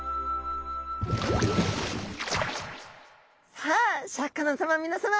さあシャーク香音さま皆さま！